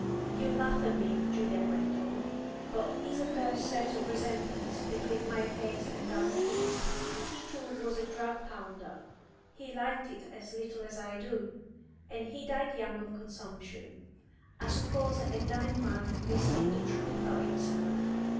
"You'll laugh at me," Julian went on, "but isn't there a certain resemblance between my case and that of Keats? He too was a drug pounder; he liked it as little as I do; and he died young of consumption. I suppose a dying man may speak the truth about himself.